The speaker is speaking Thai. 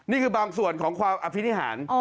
นี่คือบางส่วนของความอภินิหาร